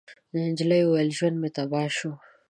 نجلۍ وويل: ژوند مې تباه شو.